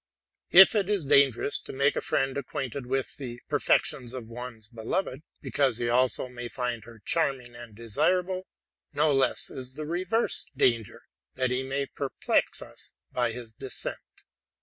If it is dangerous to make a friend acquainted with the perfections of one's beloved, because he also may find her charming and desirable, no less is the reverse danger, that he may perplex us by his dissent.